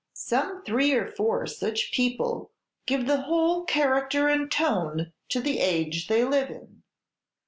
Some three or four such people give the whole character and tone to the age they live in.